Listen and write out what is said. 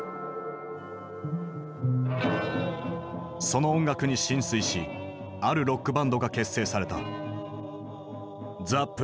その音楽に心酔しあるロックバンドが結成された。